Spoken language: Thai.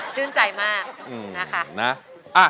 ชื่นใจมากนะคะ